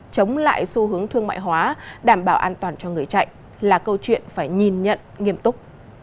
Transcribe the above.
chống lại xu hướng thương mại hóa đảm bảo an toàn cho người chạy là câu chuyện phải nhìn nhận nghiêm túc